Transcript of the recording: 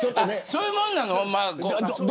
そういうものなの。